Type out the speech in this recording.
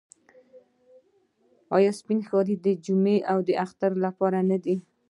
آیا سپین کالي د جمعې او اختر لپاره نه دي؟